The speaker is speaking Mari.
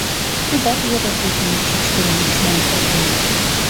Тудат Йоропий дене чӱчкыдын ушнен подылын.